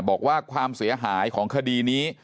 บอกว่าความเสียหายของคดีนี้